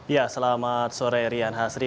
ya selamat sore rian hasri